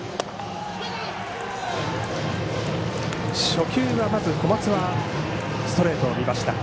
初球は小松はストレートを見ました。